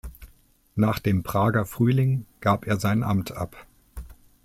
Nach dem Prager Frühling gab er sein Amt ab.